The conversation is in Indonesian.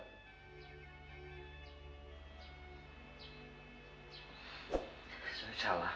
tidak ada yang bisa saya lakukan